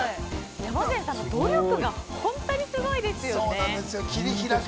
山善さんの努力が本当にすごいですよね。